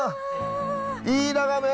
いい眺め！